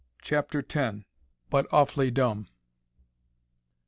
CHAPTER X "_But Awfully Dumb....